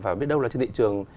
và biết đâu là trên thị trường